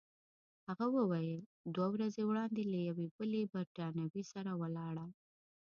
هغه وویل: دوه ورځې وړاندي له یوې بلې بریتانوۍ سره ولاړه.